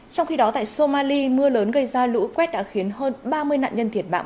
trong khi đó tại somali mưa lớn gây ra lũ quét đã khiến hơn ba mươi nạn nhân thiệt mạng